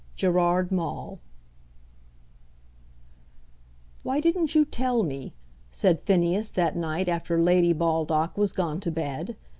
GERARD MAULE. "Why didn't you tell me?" said Phineas that night after Lady Baldock was gone to bed.